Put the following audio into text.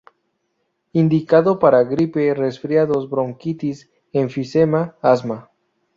Indicado para gripe, resfriados, bronquitis, enfisema, asma.